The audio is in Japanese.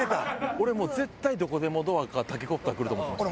俺もう絶対どこでもドアかタケコプターくると思ってました。